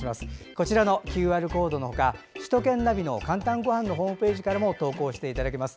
こちらのＱＲコードのほか首都圏ナビの「かんたんごはん」のホームページからも投稿していただけます。